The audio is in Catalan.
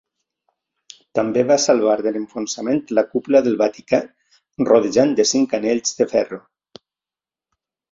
També va salvar de l'enfonsament la cúpula del Vaticà, rodejant de cinc anells de ferro.